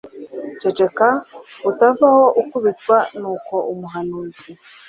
Ceceka utavaho ukubitwa Nuko umuhanuzi